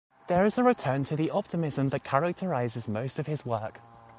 There is a return to the optimism that characterises most of his work.